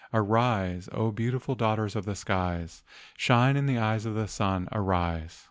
Arise, O beautiful daughters of the skies, Shine in the eyes of the sun, arise!"